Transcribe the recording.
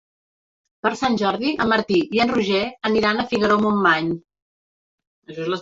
Per Sant Jordi en Martí i en Roger aniran a Figaró-Montmany.